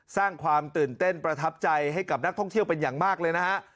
สร้างความตื่นเต้นประทับใจให้กับนักท่องเที่ยวเป็นอย่างมากเลยนะฮะ